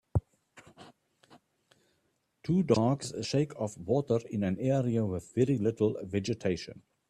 Two dogs shake off water in an area with very little vegetation.